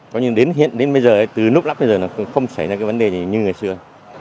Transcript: coi như đến hiện đến bây giờ từ lúc lắp bây giờ không xảy ra cái vấn đề như ngày xưa